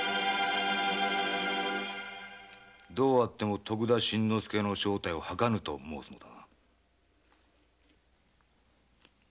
どうあっても徳田新之助の正体を吐かぬと申すのか？